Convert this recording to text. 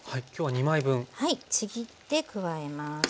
ちぎって加えます。